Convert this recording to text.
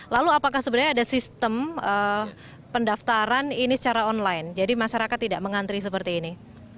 lalu apakah sebenarnya ada sistem pendaftaran ini secara online jadi masyarakat tidak mengantri seperti ini